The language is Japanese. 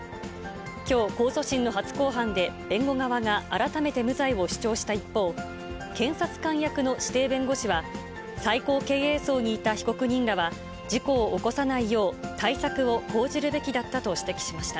きょう、控訴審の初公判で弁護側が改めて無罪を主張した一方、検察官役の指定弁護士は、最高経営層にいた被告人らは事故を起こさないよう対策を講じるべきだったと指摘しました。